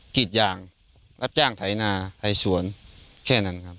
กิจยางรับจ้างไถนาไถสวนแค่นั้นครับ